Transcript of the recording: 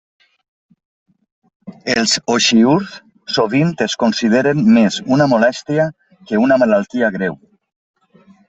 Els oxiürs sovint es consideren més una molèstia que una malaltia greu.